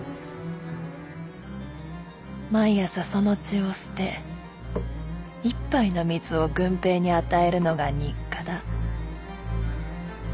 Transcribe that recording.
毎朝その血を捨て一杯の水を郡平に与えるのが日課だ。